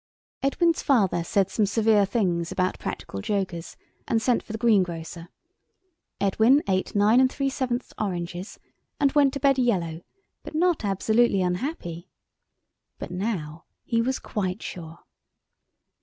Edwin's father said some severe things about practical jokers, and sent for the greengrocer. Edwin ate nine 3/7th oranges, and went to bed yellow, but not absolutely unhappy. But now he was quite sure.